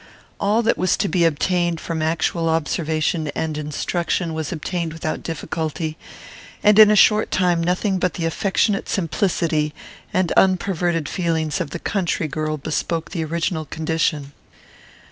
All that was to be obtained from actual observation and instruction was obtained without difficulty; and in a short time nothing but the affectionate simplicity and unperverted feelings of the country girl bespoke the original condition.